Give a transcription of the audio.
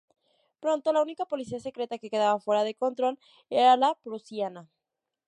Pronto, la única policía secreta que quedaba fuera de su control era la prusiana.